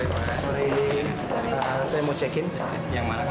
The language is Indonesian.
tidak kita akan masuk